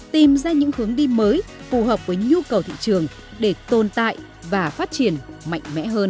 tìm ra những hướng đi mới phù hợp với nhu cầu thị trường để tồn tại và phát triển mạnh mẽ hơn